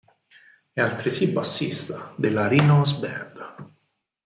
È altresì bassista della "Rhino's Band".